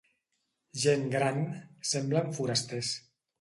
Gent gran; semblen forasters.